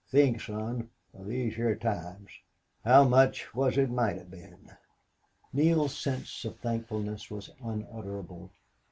Think, son, of these hyar times how much wuss it might hev been." Neale's sense of thankfulness was unutterable.